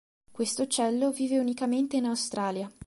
Questo uccello vive unicamente in Australia.